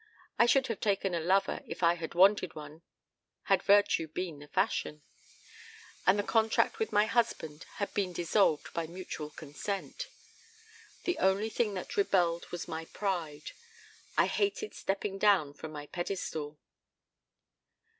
I should have taken a lover if I had wanted one had virtue been the fashion. And the contract with my husband had been dissolved by mutual consent. The only thing that rebelled was my pride. I hated stepping down from my pedestal."